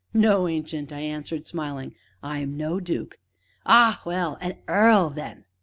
"No, Ancient," I answered, smiling; "I'm no duke." "Ah well! a earl, then?"